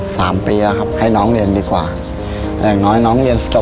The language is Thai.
แต่หลังน้องเรียน